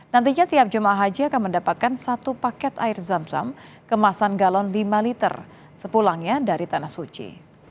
nantinya tiap jemaah haji akan mendapatkan satu paket air zam zam kemasan galon lima liter sepulangnya dari tanah suci